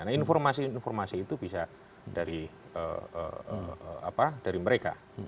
nah informasi informasi itu bisa dari apa dari mereka